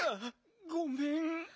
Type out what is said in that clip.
ごめん。